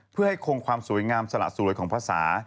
เพื่อให้คงความสวยงามสละสวยของภาษา